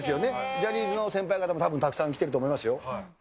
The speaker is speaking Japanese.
ジャニーズの先輩方もたぶんたくさん来てると思いますよ。